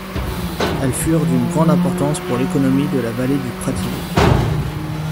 Elles furent d'une grande importance pour l'économie de la vallée du Prättigau.